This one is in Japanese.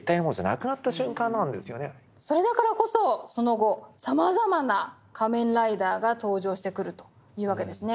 それだからこそその後さまざまな仮面ライダーが登場してくるというわけですね。